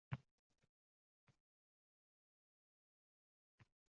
Buni fojea sifatida emas, tajriba sifatida qabul qiling.